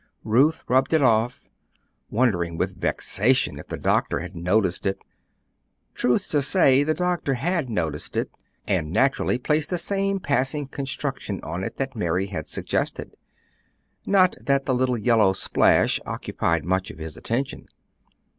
Ruth rubbed it off, wondering with vexation if the doctor had noticed it. Truth to say, the doctor had noticed it, and naturally placed the same passing construction on it that Mary had suggested. Not that the little yellow splash occupied much of his attention.